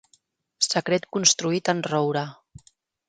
Secret construït en roure.